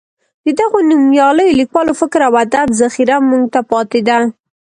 د دغو نومیالیو لیکوالو فکر او ادب ذخیره موږ ته پاتې ده.